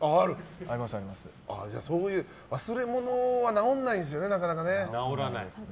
そういう忘れ物は直らないんですよね、なかなか。